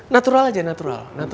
natural aja natural